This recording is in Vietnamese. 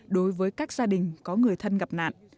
đối với các gia đình có người thân gặp nạn